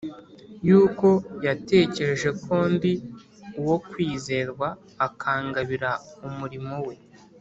yuko yatekereje ko ndi uwo kwizerwa, akangabira umurimo we